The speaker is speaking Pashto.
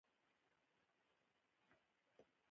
کاکړ د خپلې خاورې ساتنه کوي.